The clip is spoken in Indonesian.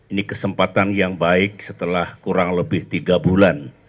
ini kesempatan yang baik setelah kurang lebih tiga bulan